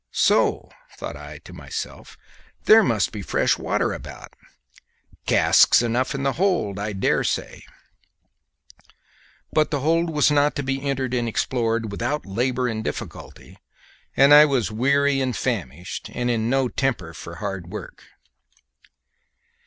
So, thought I to myself, there must be fresh water about casks enough in the hold, I dare say; but the hold was not to be entered and explored without labour and difficulty, and I was weary and famished, and in no temper for hard work.